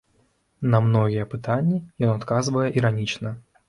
На многія пытанні ён адказвае іранічна.